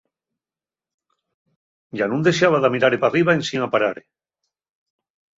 Ya nun dexaba d'amirare p'arriba ensin aparare.